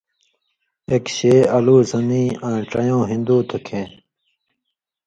اېک شے (شیعہ)، الُو سُنی آں ڇَیؤں ہِندُو تُھو کھیں